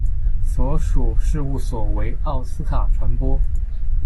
所属事务所为奥斯卡传播。